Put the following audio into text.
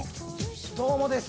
どうもです。